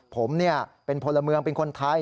ผมเป็นพลเมืองเป็นคนไทย